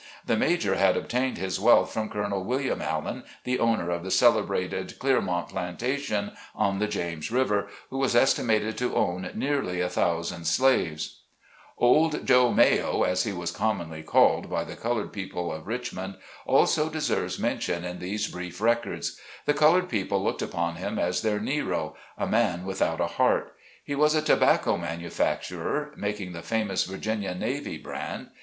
The Major had obtained his wealth from Colonel William Allen, the owner of the celebrated "Clearmount Plantation," on the James River, who was estimated to own nearly a thousand slaves. IN A VIRGINIA PULPIT. 81 " Old Joe Mayo," as he was commonly called by the colored people of Richmond, also deserves men tion in these brief records. The colored people looked upon him as their Nero, a man without a heart. He was a tobacco manufacturer, making the famous Virginia Navy Brand.